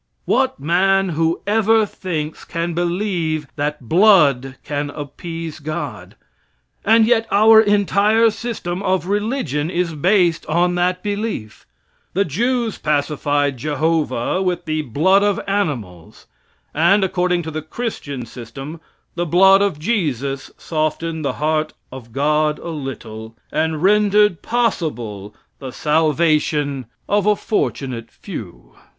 What man who ever thinks, can believe that blood can appease God? And yet our entire system of religion is based on that belief. The Jews pacified Jehovah with the blood of animals, and according to the christian system, the blood of Jesus softened the heart of God a little, and rendered possible the salvation of a fortunate few.